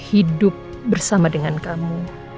hidup bersama dengan kamu